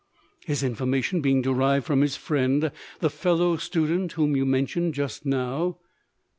"His information being derived from his friend the fellow student whom you mentioned just now?"